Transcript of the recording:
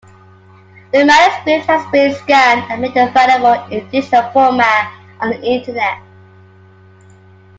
The manuscript has been scanned and made available in digital format on the internet.